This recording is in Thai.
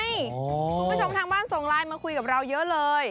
คุณผู้ชมทางบ้านส่งไลน์มาคุยกับเราเยอะเลย